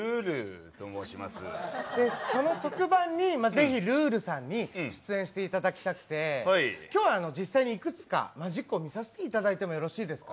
その特番に是非ルールさんに出演していただきたくて今日は実際にいくつかマジックを見させていただいてもよろしいですか。